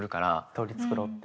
取り繕って。